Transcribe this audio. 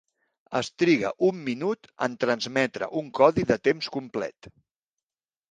Es triga un minut en transmetre un codi de temps complet.